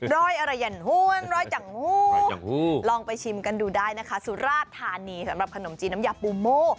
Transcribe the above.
รอยอะไรอะหล่องไปชิมกันดูได้นะคะสุราสตร์ทานีสำหรับขนมจีนน้ำยากปูโม่